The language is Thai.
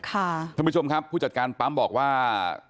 ท่านผู้ชมครับผู้จัดการปั๊มบอกว่า